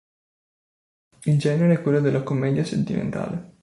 Il genere è quello della commedia sentimentale.